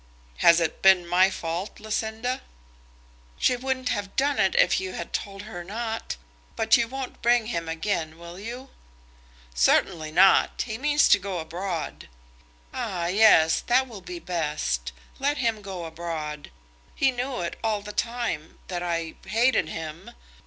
"Has it been my fault, Lucinda?" "She wouldn't have done it if you had told her not. But you won't bring him again; will you?" "Certainly not. He means to go abroad." "Ah, yes; that will be best. Let him go abroad. He knew it all the time, that I hated him.